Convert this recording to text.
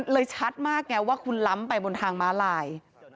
ชัดมากไงว่าคุณล้ำไปบนทางม้าลาย